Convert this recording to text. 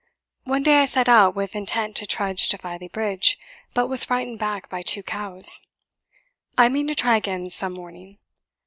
One day I set out with intent to trudge to Filey Bridge, but was frightened back by two cows. I mean to try again some morning.